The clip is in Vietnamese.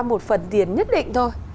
một phần tiền nhất định thôi